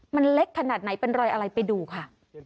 มันเล็กขนาดไหนเป็นรอยอะไรไปดูค่ะ